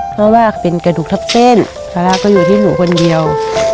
เพราะว่าเป็นกระดูกทับเส้นภาระก็อยู่ที่หนูคนเดียว